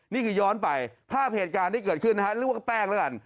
นี่คือย้อนไปภาพเหตุการณ์ที่เกิดขึ้นนะฮะเรียกว่าแป้งแล้วกัน